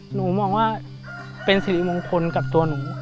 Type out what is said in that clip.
หนูมองว่าเป็นสิริมงคลกับตัวหนู